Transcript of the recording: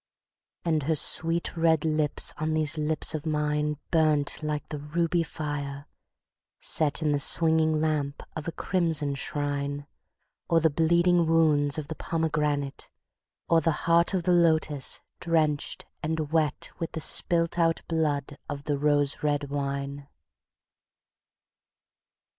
And her sweet red lips on these lips of mineBurned like the ruby fire setIn the swinging lamp of a crimson shrine, Or the bleeding wounds of the pomegranate, Or the heart of the lotus drenched and wetWith the spilt out blood of the rose red wine.